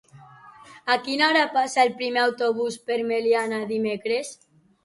A quina hora passa el primer autobús per Meliana dimecres?